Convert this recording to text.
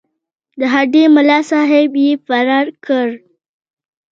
د هډې ملاصاحب یې فرار کړ.